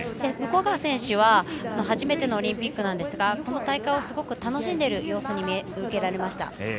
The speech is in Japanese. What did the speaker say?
向川選手は初めてのオリンピックですがこの大会をすごく楽しんでいる様子に見受けられました。